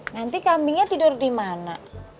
nanti kambingnya tidur dimana